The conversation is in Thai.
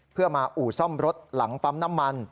เพื่อมาอู่ซ่อมรถหลังปั๊มน้ำมัน